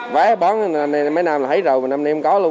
vé bán mấy năm là thấy rồi năm nay không có luôn